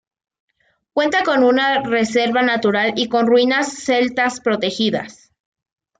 Cuenta con una reserva natural y con ruinas celtas protegidas.